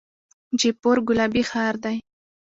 جیپور ګلابي ښار دی.